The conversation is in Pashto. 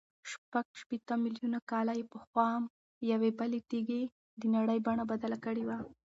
شپږ شپېته میلیونه کاله پخوا یوې بلې تېږې د نړۍ بڼه بدله کړې وه.